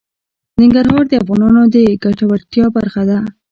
ننګرهار د افغانانو د ګټورتیا برخه ده.